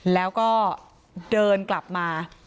แล้วก็เดินกลับมา